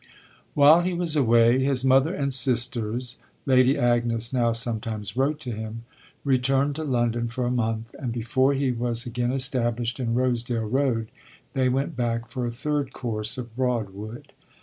While he was away his mother and sisters Lady Agnes now sometimes wrote to him returned to London for a month, and before he was again established in Rosedale Road they went back for a third course of Broadwood.